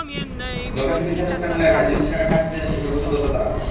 Naogaon civil surgeon কার্যালয়ের প্রায় দুই কোটি টাকার কাজ পেতে যাচ্ছে সর্বোচ্চ দরদাতারা।